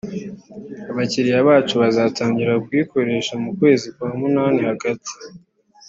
abakiriya bacu bazatangira kuyikoresha mu kwezi kwa munani hagati